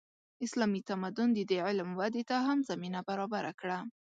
اسلامي تمدن د دې علم ودې ته هم زمینه برابره کړه.